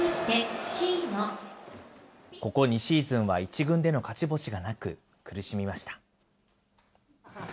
ここ２シーズンは１軍での勝ち星がなく、苦しみました。